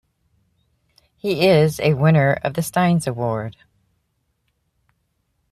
He is a winner of the Stinnes Award.